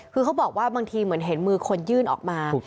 คือเขาบอกว่าบางทีเหมือนเห็นมือคนยื่นออกมา